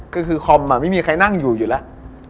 ก็คือคอมพิวเตอร์อะไม่มีใครนั่งอยู่แล้ว